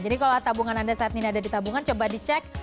jadi kalau tabungan anda saat ini ada di tabungan coba dicek